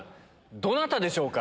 どなたでしょうか？